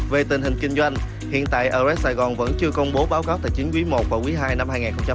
về tình hình kinh doanh hiện tại adres saigon vẫn chưa công bố báo cáo tài chính quý một và quý hai năm hai nghìn hai mươi hai